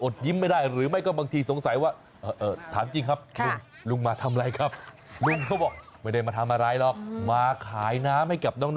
ดูการแต่งตัวสิครับ